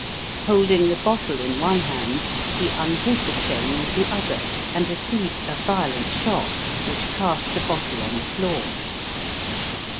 Holding the bottle in one hand, he undid the chain with the other, and received a violent shock which cast the bottle on the floor.